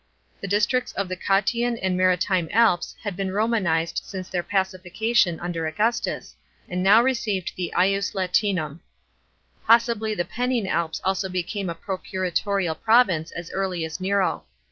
The districts of the Cottian and the Maritime Alps had been Romanised since their pacification under Augustus, and now received the ius Latinum. Possibly the Pennine Alps also became a procuratorial province as early as Nero.